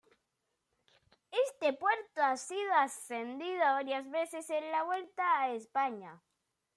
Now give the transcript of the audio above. Este puerto ha sido ascendido varias veces en la Vuelta a España.